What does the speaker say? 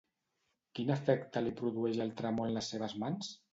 Quin efecte li produeix el tremor en les seves mans?